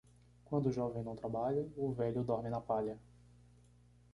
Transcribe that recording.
Quando o jovem não trabalha, o velho dorme na palha.